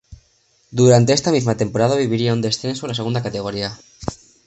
Durante esta misma temporada viviría un descenso a la segunda categoría.